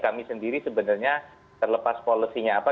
kami sendiri sebenarnya terlepas kolesinya apa